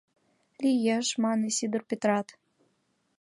— Лиеш, — мане Сидыр Петрат.